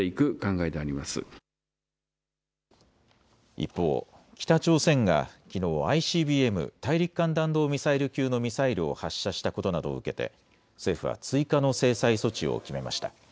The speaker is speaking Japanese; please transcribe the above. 一方、北朝鮮がきのうＩＣＢＭ・大陸間弾道ミサイル級のミサイルを発射したことなどを受けて政府は追加の制裁措置を決めました。